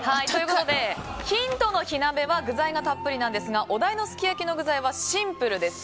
ヒントの火鍋は具材がたっぷりなんですがお題のすき焼きの具材はシンプルです。